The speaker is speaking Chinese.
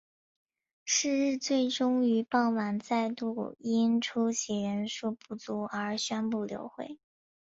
是日最终于傍晚再度因出席人数不足而宣布流会。